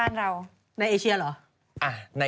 ในเอเชียหรอ